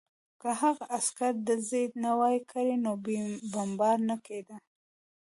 که هغه عسکر ډزې نه وای کړې نو بمبار نه کېده